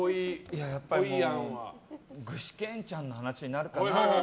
やっぱり具志堅ちゃんの話になるかな。